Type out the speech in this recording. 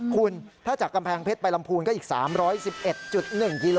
คุณถ้าจากกำแพงเพชรไปลำพูนก็อีก๓๑๑๑๑กิโล